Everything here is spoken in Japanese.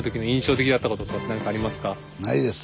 ないです！